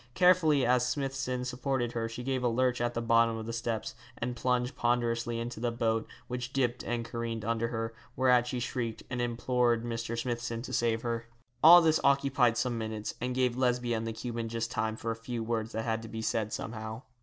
Carefully as Smithson supported her she gave a lurch at the bottom of the steps, and plunged ponderously into the boat, which dipped and careened under her, whereat she shrieked, and implored Mr. Smithson to save her. All this occupied some minutes, and gave Lesbia and the Cuban just time for a few words that had to be said somehow.